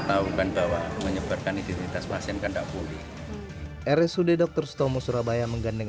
tahu bahwa menyebarkan identitas pasien kandang pulih rsud dokter sutomo surabaya menggandeng